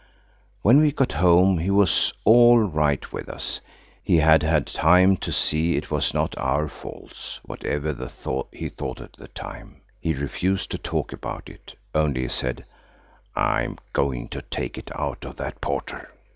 When we got home he was all right with us. He had had time to see it was not our faults, whatever he thought at the time. He refused to talk about it. Only he said– "I'm going to take it out of that porter.